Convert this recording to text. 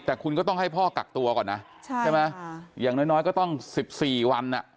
แต่คุณก็ต้องให้พ่อกักตัวก่อนนะใช่ไหมอย่างน้อยก็ต้อง๑๔วันอ่ะ